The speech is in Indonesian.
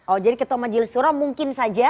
oh jadi ketua majelis suro mungkin saja